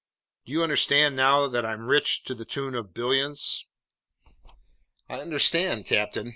Do you understand now that I'm rich to the tune of billions?" "I understand, captain.